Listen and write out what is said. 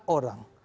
ada hak orang